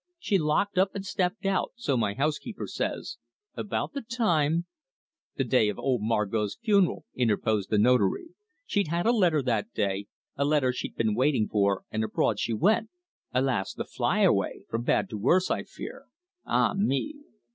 She locked up and stepped out, so my housekeeper says, about the time " "The day of old Margot's funeral," interposed the Notary. "She'd had a letter that day, a letter she'd been waiting for, and abroad she went alas! the flyaway from bad to worse, I fear ah me!"